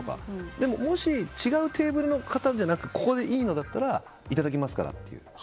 でも、もし違うテーブルの方じゃなくここでいいのならばいただきますからって。